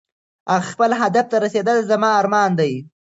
خپل هدف ته رسېدل زما ارمان دی.